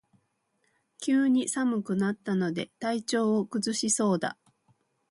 急に寒くなったので体調を崩しそうだ